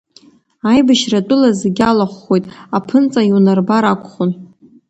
Аибашьра атәыла зегьы алахәхоит, аԥынҵа иунарбар акәхон.